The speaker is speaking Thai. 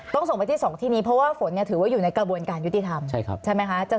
ส่งไปที่๒ที่นี้เพราะว่าฝนถือว่าอยู่ในกระบวนการยุติธรรมใช่ไหมคะ